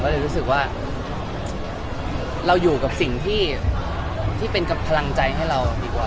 เลยรู้สึกว่าเราอยู่กับสิ่งที่เป็นกำลังใจให้เราดีกว่า